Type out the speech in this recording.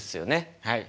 はい。